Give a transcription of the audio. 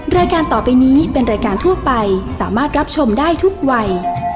รายการต่อไปนี้เป็นรายการทั่วไปสามารถรับชมได้ทุกวัย